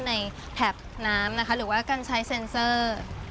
แถบน้ำนะคะหรือว่าการใช้เซ็นเซอร์